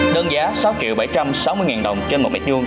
đơn giá sáu triệu bảy trăm sáu mươi đồng trên một m hai